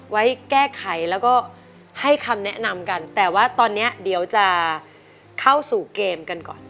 ไว้แก้ไขแล้วก็ให้คำแนะนำกันแต่ว่าตอนนี้เดี๋ยวจะเข้าสู่เกมกันก่อน